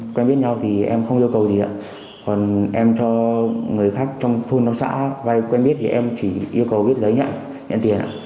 quen biết nhau thì em không yêu cầu gì ạ còn em cho người khác trong thôn trong xã vai quen biết thì em chỉ yêu cầu viết giấy nhận nhận tiền ạ